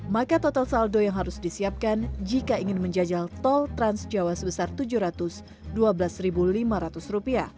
maka total saldo yang harus disiapkan jika ingin menjajal tol trans jawa sebesar rp tujuh ratus dua belas lima ratus